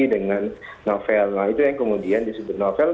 dengan novel nah itu yang kemudian disebut novel